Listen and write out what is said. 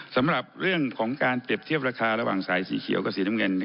สำหรับเรื่องของการเปรียบเทียบราคาระหว่างสายสีเขียวกับสีน้ำเงิน